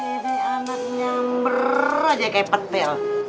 eh ini anak nyamber aja kayak petel